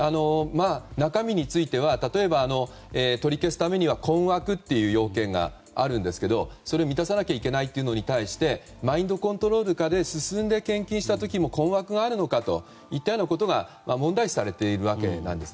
中身については例えば取り消すためには困惑という要件があるんですけどそれを満たさなきゃいけないというのに対してマインドコントロール下で献金した時にも困惑があるのかという問題視されているわけなんです。